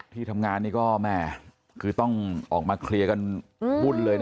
ที่ทำงานนี่ก็แม่คือต้องออกมาเคลียร์กันวุ่นเลยนะ